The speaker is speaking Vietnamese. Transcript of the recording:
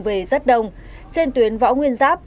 về rất đông trên tuyến võ nguyên giáp